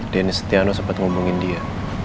denny setiano sempat ngomongin dia